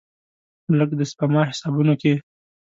لږ، د سپما حسابونو کې